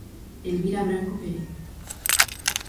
Elvira Branco Pérez.